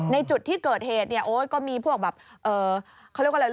ในจุดที่เกิดเหตุเนี่ยโอ๊ยก็มีพวกแบบเขาเรียกว่าอะไร